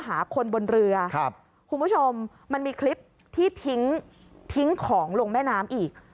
หาคนบนเรือครับคุณผู้ชมมันมีคลิปที่ทิ้งทิ้งของลงแม่น้ำอีก